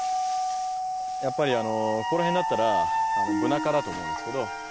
やっぱりこの辺だったらブナ科だと思うんですけど。